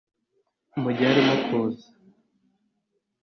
mugihe arimo kuza